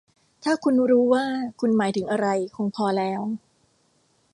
ถ้าคุณรู้ว่าคุณหมายถึงอะไร คงพอแล้ว